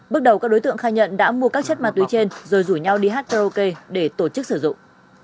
bước đầu các đối tượng khai nhận đã mua các chất ma túy trên rồi rủ nhau đi hát karaoke để tổ chức sử dụng